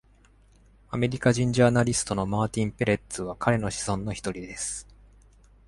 アメリカ人ジャーナリストのマーティンペレッツは彼の子孫の一人です。